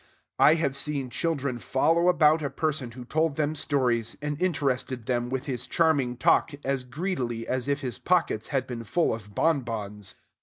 I have seen children follow about a person who told them stories, and interested them with his charming talk, as greedily as if his pockets had been full of bon bons.